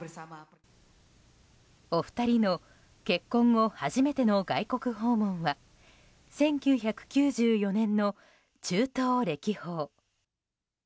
お二人の結婚後初めての外国訪問は１９９４年の中東歴訪。